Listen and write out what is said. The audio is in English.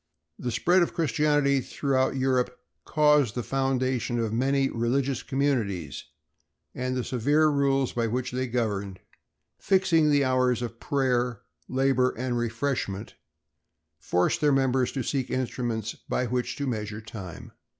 "The spread of Christianity throughout Europe caused the foundation of many religious communities, and the severe rules by which they were governed—fixing the hours of prayer, labor, and refreshment—forced their members to seek instruments by which to measure time.